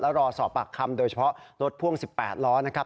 รอสอบปากคำโดยเฉพาะรถพ่วง๑๘ล้อนะครับ